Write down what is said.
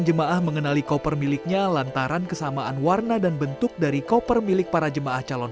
jemaah mengenali koper miliknya lantaran kesamaan warna dan bentuk dari koper milik para jemaah calon